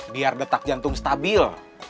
biar detak jantung stabil